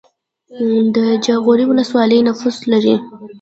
د جاغوری ولسوالۍ نفوس لري